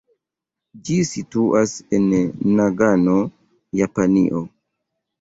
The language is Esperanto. Ĝi situas en Nagano, Japanio.